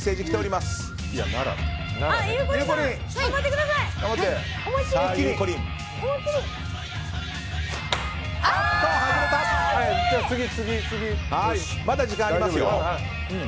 まだ時間ありますよ。